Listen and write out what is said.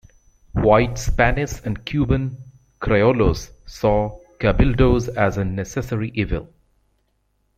White Spanish and Cuban criollos saw cabildos as a necessary evil.